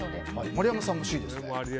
丸山さんもＣですね。